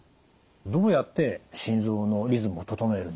どうやって心臓のリズムを整えるんですか？